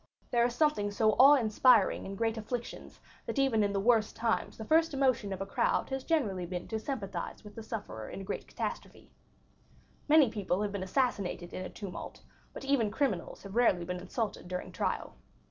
There is something so awe inspiring in great afflictions that even in the worst times the first emotion of a crowd has generally been to sympathize with the sufferer in a great catastrophe. Many people have been assassinated in a tumult, but even criminals have rarely been insulted during trial.